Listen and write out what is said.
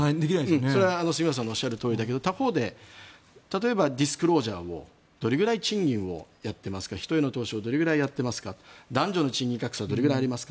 それは杉村さんのおっしゃるとおりだけど他方でディスクロージャーをどれくらい賃金をやっていますか人への投資をどれぐらいやっていますか男女の賃金差がどれぐらいありますか。